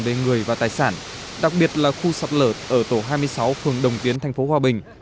về người và tài sản đặc biệt là khu sạt lở ở tổ hai mươi sáu phường đồng tiến thành phố hòa bình